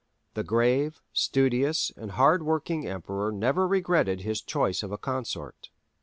The grave, studious, and hard working Emperor never regretted his choice of a consort.